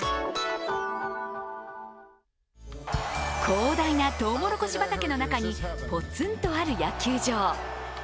広大なとうもろこし畑の中にポツンとある野球場。